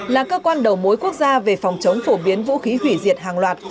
là cơ quan đầu mối quốc gia về phòng chống phổ biến vũ khí hủy diệt hàng loạt